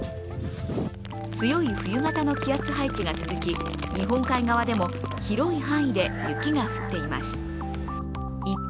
強い冬型の気圧配置が続き日本海側でも広い範囲で雪が降っています。